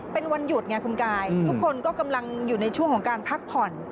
เป็นวันหยุดไงคุณกายทุกคนก็กำลังอยู่ในช่วงของการพักผ่อน